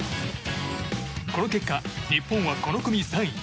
この結果、日本はこの組３位。